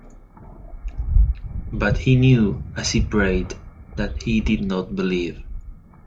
But he knew as he prayed that he did not believe.